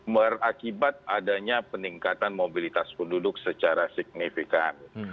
berakibat adanya peningkatan mobilitas penduduk secara signifikan